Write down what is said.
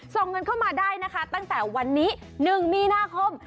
ส่งเงินเข้ามาได้นะคะตั้งแต่วันนี้๑มีนาคม